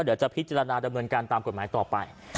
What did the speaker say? เดี๋ยวจะพิจารณาดำเนินการตามกฎหมายต่อไป